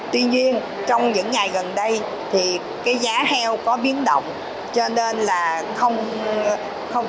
tuy nhiên trong những ngày gần đây giá heo có biến động